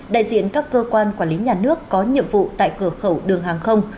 đại diện các cơ quan quản lý nhà nước có nhiệm vụ tại cửa khẩu đường hàng không